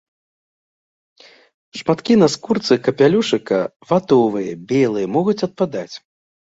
Шматкі на скурцы капялюшыка ватовыя, белыя, могуць адпадаць.